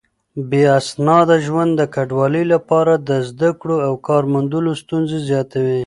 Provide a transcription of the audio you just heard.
بې اسناده ژوند د کډوالو لپاره د زده کړو او کار موندلو ستونزې زياتوي.